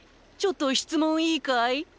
ちょっと質問いいかい？